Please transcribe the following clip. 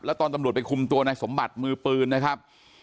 แล้วตอนตำรวจไปคุมตัวนายสมบัติมือปืนนะครับ